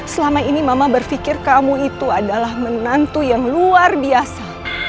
selama ini mama berpikir kamu itu adalah menantu yang luar biasa